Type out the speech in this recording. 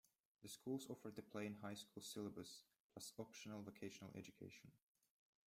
The schools offer the plain high school syllabus, plus optional vocational education.